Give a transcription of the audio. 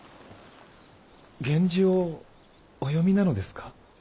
源氏をお読みなのですか？